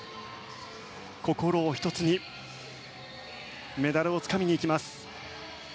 心を１つにメダルをつかみにいきます。